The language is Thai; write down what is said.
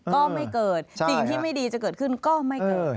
ก็ไม่เกิดสิ่งที่ไม่ดีจะเกิดขึ้นก็ไม่เกิด